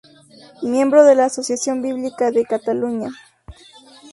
Miembro de la Asociación Bíblica de Cataluña.